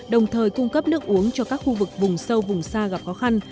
đồng thời cung cấp nước uống cho các khu vực vùng sâu vùng xa gặp khó khăn